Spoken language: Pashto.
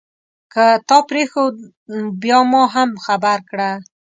که تا پرېښود بیا ما هم خبر کړه.